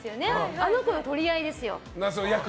あの子の取り合いですよ。